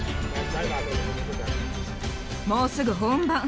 もうすぐ本番。